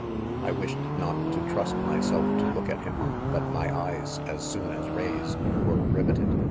I wished not to trust myself to look : at him 5 hut , my eyes ? as soon as raised , were riveted.